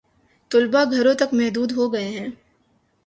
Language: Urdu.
طلبا گھروں تک محدود ہو گئے ہیں